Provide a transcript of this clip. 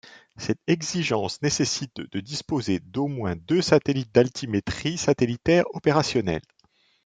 Cette exigence nécessite de disposer d'au moins deux satellites d'altimétrie satellitaire opérationnels.